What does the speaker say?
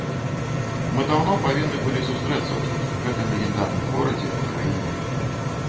Мы даўно павінны былі сустрэцца тут, у гэтым легендарным горадзе, краіне.